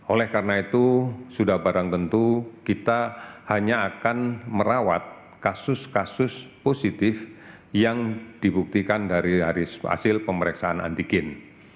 oleh karena itu sudah barang tentu kita hanya akan merawat kasus kasus positif yang dibuktikan dari hasil pemeriksaan antigen